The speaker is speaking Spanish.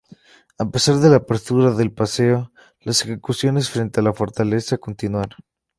A pesar de la apertura del paseo, las ejecuciones frente a la fortaleza continuaron.